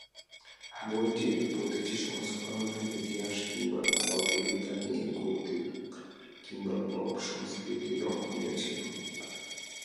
বইটির প্রতিটি সংস্করণে ইতিহাস কিংবা কল্পবিজ্ঞান নিয়ে কৌতুক কিংবা পপ সংস্কৃতি লক্ষণীয় ছিল।